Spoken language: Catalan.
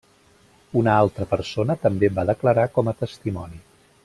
Una altra persona també va declarar com a testimoni.